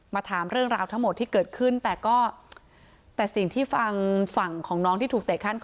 ถามเรื่องราวทั้งหมดที่เกิดขึ้นแต่ก็แต่สิ่งที่ฟังฝั่งของน้องที่ถูกเตะขั้น